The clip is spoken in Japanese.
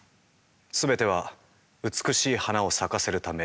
全ては美しい花を咲かせるため。